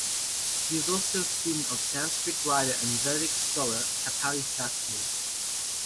He was also a student of Sanskrit writer and Vedic scholar Kapali Sastry.